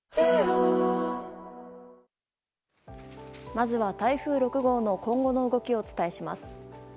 まずは台風６号の今後の動きをお伝えします。